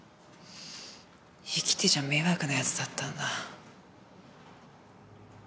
生きてちゃ迷惑な奴だったんだ。